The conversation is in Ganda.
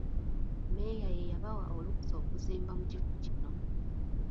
Mmeeya ye yabawa olukusa okuzimba mu kifo kino.